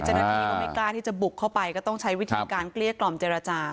เจ้าหน้าที่ก็ไม่กล้าที่จะบุกเข้าไปก็ต้องใช้วิธีการเกลี้ยกล่อมเจรจา